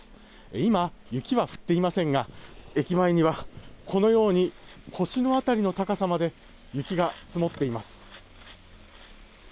今、雪は降っていませんが駅前にはこのように腰の辺りの高さまで雪が積もっています。